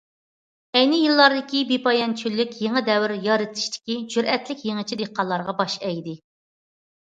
ئەينى يىللاردىكى بىپايان چۆللۈك يېڭى دەۋر يارىتىشتىكى جۈرئەتلىك يېڭىچە دېھقانلارغا باش ئەگدى.